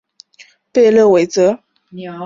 贝勒维涅。